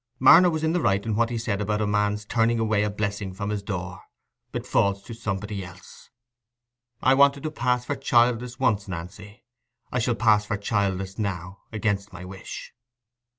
Marner was in the right in what he said about a man's turning away a blessing from his door: it falls to somebody else. I wanted to pass for childless once, Nancy—I shall pass for childless now against my wish."